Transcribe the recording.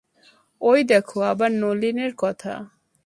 ঐ দেখো, আবার নলিনের কথা!